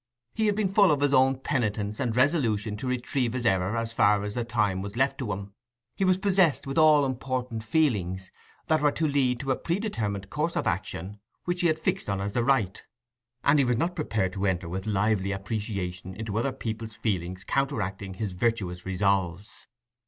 He had been full of his own penitence and resolution to retrieve his error as far as the time was left to him; he was possessed with all important feelings, that were to lead to a predetermined course of action which he had fixed on as the right, and he was not prepared to enter with lively appreciation into other people's feelings counteracting his virtuous resolves.